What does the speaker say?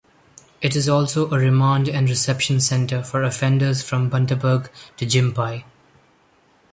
It is also a remand and reception centre for offenders from Bundaberg to Gympie.